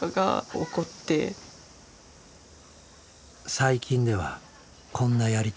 最近ではこんなやり取りも。